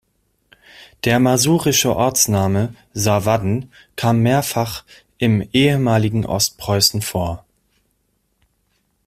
Der masurische Ortsname Sawadden kam mehrfach im ehemaligen Ostpreußen vor.